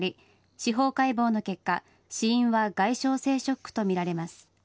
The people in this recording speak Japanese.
司法解剖の結果、死因は外傷性ショックとみられます。